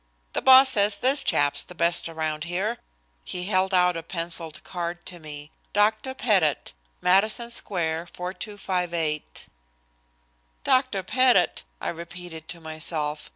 "The boss says this chap's the best around here." He held out a penciled card to me. "Dr. Pettit. Madison Square 4258." "Dr. Pettit!" I repeated to myself.